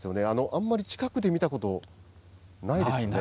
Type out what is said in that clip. あんまり近くで見たことないですよね。